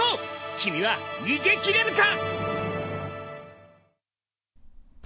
君は逃げ切れるか！？